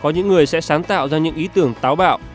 những người sẽ sáng tạo ra những ý tưởng táo bạo